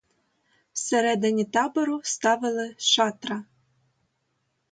Всередині табору ставили шатра.